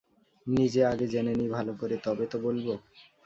নিজে আগে জেনে নিই ভালো করে তবে তো বলব?